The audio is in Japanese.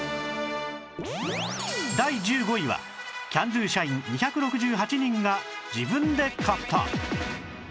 第１５位はキャンドゥ社員２６８人が自分で買った